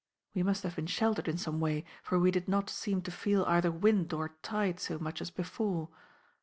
We must have been sheltered in some way, for we did not seem to feel either wind or tide so much as before.